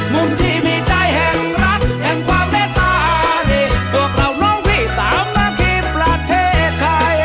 มุมที่มีใจแห่งรักแห่งความเมตตาพวกเราน้องพี่สาวหน้าที่ประเทศไทย